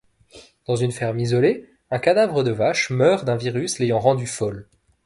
Dans une ferme isolée, un cadavre de vache meurt d'un virus l'ayant rendue folle.